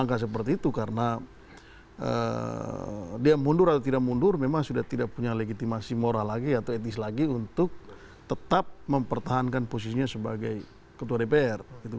langkah seperti itu karena dia mundur atau tidak mundur memang sudah tidak punya legitimasi moral lagi atau etis lagi untuk tetap mempertahankan posisinya sebagai ketua dpr